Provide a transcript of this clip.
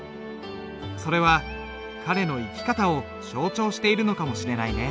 それは彼の生き方を象徴しているのかもしれないね。